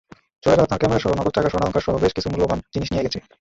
চোরেরা তাঁর ক্যামেরাসহ নগদ টাকা, স্বর্ণালংকারসহ বেশ কিছু মূল্যবান জিনিস নিয়ে গেছে।